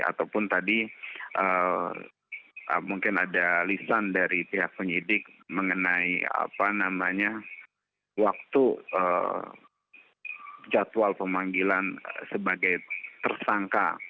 ataupun tadi mungkin ada lisan dari pihak penyidik mengenai waktu jadwal pemanggilan sebagai tersangka